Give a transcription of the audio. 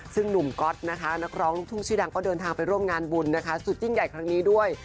ซึ่งหนุ่มก๊อตนะคะนักร้องลูกทุ่งชื่อดังก็เดินทางไปร่วมงานบุญนะคะสุดยิ่งใหญ่ครั้งนี้ด้วย